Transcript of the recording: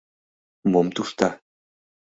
«Мом тушта?